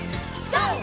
ＧＯ！